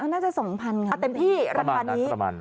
น่าจะ๒๐๐๐บาทประมาณนั้น